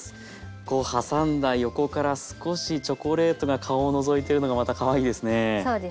こう挟んだ横から少しチョコレートが顔をのぞいてるのがまたかわいいですね。